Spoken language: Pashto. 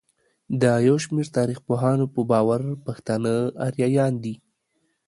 د يوشمېر تاريخپوهانو په باور پښتانه اريايان دي.